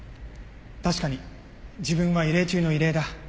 確かに自分は異例中の異例だ。